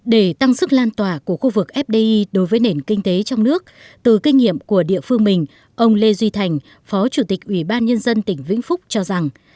để tăng sức lan tỏa của khu vực fdi đối với nền kinh tế trong nước từ kinh nghiệm của địa phương mình ông lê duy thành phó chủ tịch ủy ban nhân dân tỉnh vĩnh phúc cho rằng